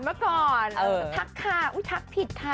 ทักค่ะทักผิดค่ะ